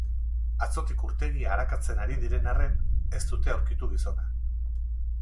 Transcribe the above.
Atzotik urtegia arakatzen ari diren arren, ez dute aurkitu gizona.